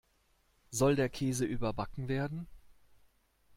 Soll der Käse überbacken werden?